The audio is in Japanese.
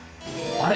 あれ？